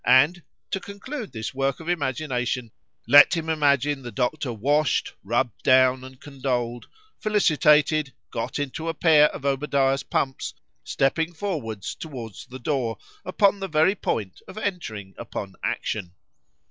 —And, to conclude this work of imagination,—let him imagine the doctor washed,—rubbed down, and condoled,—felicitated,—got into a pair of Obadiah's pumps, stepping forwards towards the door, upon the very point of entering upon action.